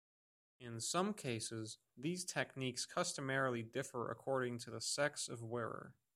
In some cases, these techniques customarily differ according to the sex of wearer.